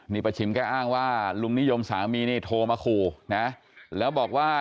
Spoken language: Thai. นี่ป้าชิมแกอ้างว่าลุงนิยมสามีนี่โทรมาขู่นะแล้วบอกว่า